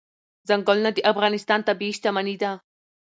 ځنګلونه د افغانستان طبعي شتمني ده.